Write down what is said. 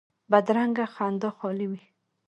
بدرنګه خندا خالي وي